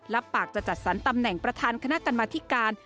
รับปากจะจัดสรรตำแหน่งประธานคณะกรรมธิการ